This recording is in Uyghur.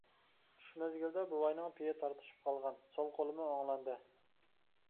چۈش مەزگىلىدە بوۋاينىڭ پېيى تارتىشىپ قالغان سول قولىمۇ ئوڭلاندى.